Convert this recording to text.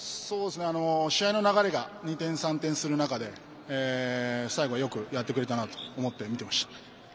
試合の流れが二転三転する中で最後よくやってくれたなと思って見ていました。